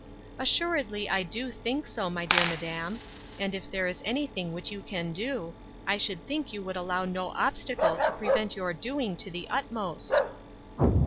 " Assuredly I do think so, my dear madam ; and if there is anything which you can do, I should think you would allow no obstacle to prevent your doing to the utmost."